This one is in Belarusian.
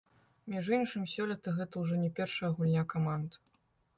Між іншым, сёлета гэта ўжо не першая гульня каманд.